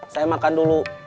saya makan dulu